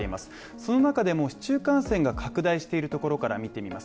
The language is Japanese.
その中でも市中感染が拡大しているところから見てみます